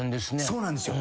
そうなんですよ。